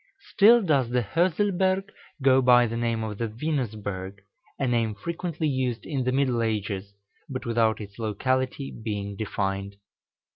Still does the Hörselberg go by the name of the Venusberg, a name frequently used in the middle ages, but without its locality being defined.